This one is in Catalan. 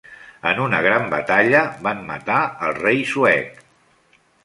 En una gran batalla van matar el rei suec.